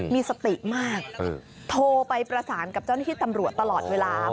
มีสติมากโทรไปประสานกับเจ้าหน้าที่ตำรวจตลอดเวลา